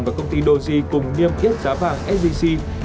và công ty doji cùng niêm yếp giá vàng szc